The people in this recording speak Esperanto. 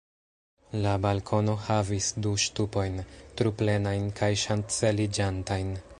La balkono havis du ŝtupojn, truplenajn kaj ŝanceliĝantajn.